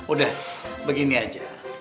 udah begini aja